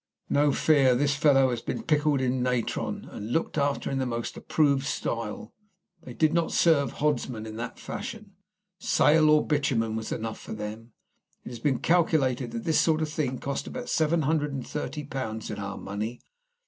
"No fear. This fellow has been pickled in natron, and looked after in the most approved style. They did not serve hodsmen in that fashion. Salt or bitumen was enough for them. It has been calculated that this sort of thing cost about seven hundred and thirty pounds in our money.